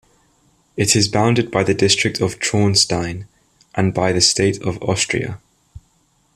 It is bounded by the district of Traunstein and by the state of Austria.